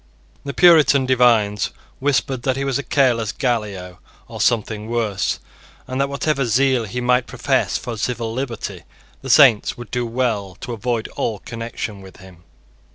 The Puritan divines whispered that he was a careless Gallio or something worse, and that, whatever zeal he might profess for civil liberty, the Saints would do well to avoid all connection with him.